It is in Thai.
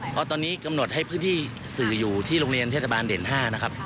เพราะตอนนี้กำหนดให้พื้นที่สื่ออยู่ที่โรงเรียนเทศบาลเด่น๕นะครับ